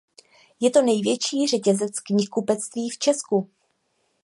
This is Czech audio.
Je to největší řetězec knihkupectví v Česku.